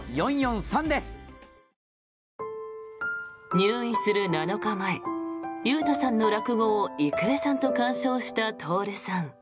入院する７日前裕太さんの落語を郁恵さんと鑑賞した徹さん。